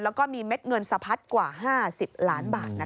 แล้วก็มีเม็ดเงินสะพัดกว่า๕๐ล้านบาท